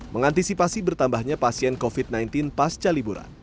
mengantisipasi bertambahnya pasien covid sembilan belas pasca liburan